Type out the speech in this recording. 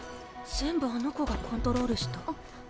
全部あの子がコントロールした。